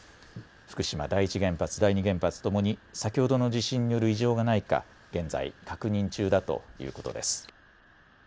福島第一原発、第二原発ともに、先ほどの地震による異常がないか、現在、確認中だということです。